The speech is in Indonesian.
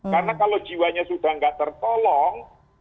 karena kalau jiwanya sudah tidak tertolong